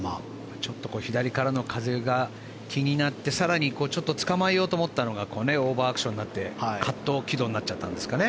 ちょっと左からの風が気になって更につかまえようと思ったのがオーバーアクションになってカット軌道になっちゃったんですかね。